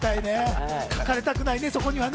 書かれたくないね、そこにはね。